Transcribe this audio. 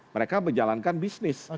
mereka menjalankan bisnis